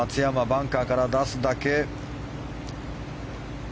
バンカーから出すだけ。